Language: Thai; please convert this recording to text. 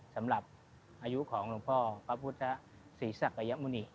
สำหรับอายุของหลวงพ่อพระพุทธศรีศักยมุณิ